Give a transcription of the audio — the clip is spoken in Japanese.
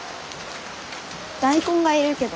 大根がいるけど。